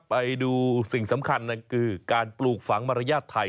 ไปดูสิ่งสำคัญนั่นคือการปลูกฝังมารยาทไทย